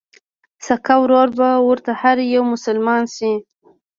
سکه ورور به ورته هر يو مسلمان شي